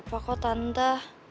gapapa kok tante